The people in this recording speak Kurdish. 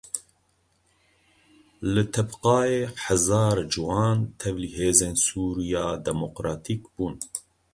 Li Tebqayê hezar ciwan tevlî Hêzên Sûriya Demokratîk bûn.